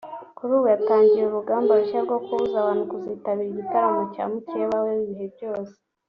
kuri ubu yatangiye urugamba rushya rwo kubuza abantu kuzitabira igitaramo cya mukeba we w’ibihe byose